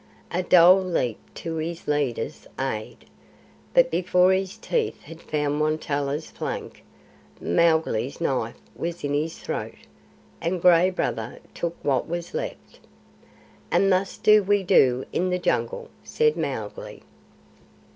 A dhole leaped to his leader's aid; but before his teeth had found Won tolla's flank, Mowgli's knife was in his throat, and Gray Brother took what was left. "And thus do we do in the Jungle," said Mowgli.